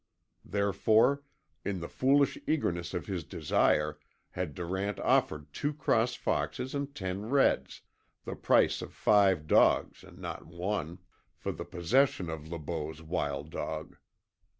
Therefore, in the foolish eagerness of his desire, had Durant offered two cross foxes and ten reds the price of five dogs and not one for the possession of Le Beau's wild dog.